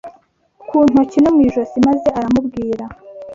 ku ntoki no mu josi maze aramubwira